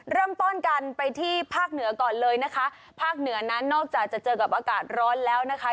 เริ่มต้นกันไปที่ภาคเหนือก่อนเลยนะคะภาคเหนือนั้นนอกจากจะเจอกับอากาศร้อนแล้วนะคะ